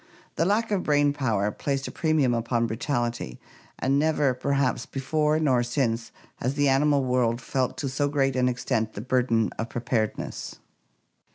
The lack of brain power placed a premium upon brutality, and never, perhaps, before nor since has the animal world felt to so great an extent the burden of preparedness.